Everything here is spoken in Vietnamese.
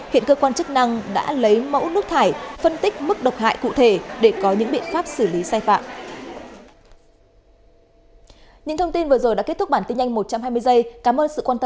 hiện cơ quan chức năng đã lấy mẫu nước thải phân tích mức độc hại cụ thể để có những biện pháp xử lý sai phạm